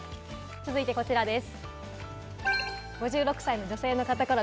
続いてこちらです。